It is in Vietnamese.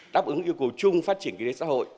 đáp ứng yêu cầu chung phát triển kinh tế xã hội